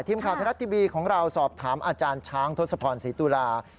ทีมข่าวไทยรัฐทีวีของเราสอบถามอาจารย์ช้างทศพรศรีตุลา